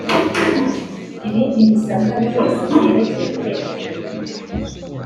ibindi bisabwa byose byerekeye kwemererwa